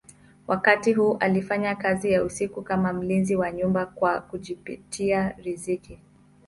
Wakati huu alifanya kazi ya usiku kama mlinzi wa nyumba kwa kujipatia riziki.